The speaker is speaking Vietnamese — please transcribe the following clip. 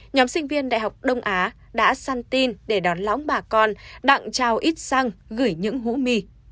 nhóm sinh viên đại học đông á đã săn tin để đón lõng bà con đặng trao ít xăng gửi những hũ mì